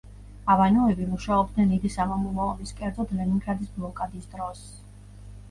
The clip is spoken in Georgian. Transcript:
აბანოები მუშაობდნენ დიდი სამამულო ომის, კერძოდ ლენინგრადის ბლოკადის დროს.